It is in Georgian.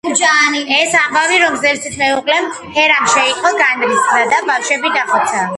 ეს ამბავი რომ ზევსის მეუღლემ, ჰერამ შეიტყო, განრისხდა და ბავშვები დახოცა.